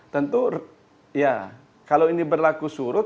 tentu ya kalau ini berlaku surut